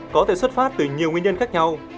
có thể xuất phát từ nhiều nguyên nhân khác nhau